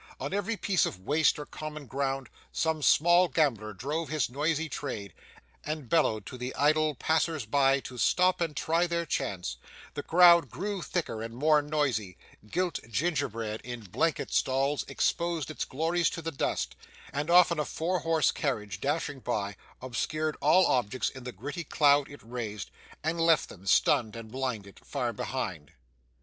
On every piece of waste or common ground, some small gambler drove his noisy trade, and bellowed to the idle passersby to stop and try their chance; the crowd grew thicker and more noisy; gilt gingerbread in blanket stalls exposed its glories to the dust; and often a four horse carriage, dashing by, obscured all objects in the gritty cloud it raised, and left them, stunned and blinded, far behind.